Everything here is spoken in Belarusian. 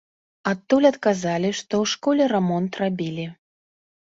Адтуль адказалі, што ў школе рамонт рабілі.